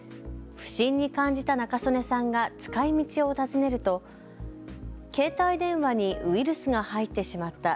不審に感じた仲宗根さんが使いみちを尋ねると携帯電話にウイルスが入ってしまった。